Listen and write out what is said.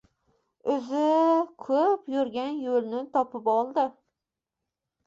O‘zi ko‘p yurgan yo‘lni topib oldi.